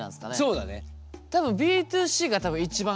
そうだね。